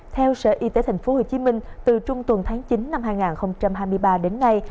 theo sở y tế tp hcm từ trung tuần tháng chín năm hai nghìn hai mươi ba đến nay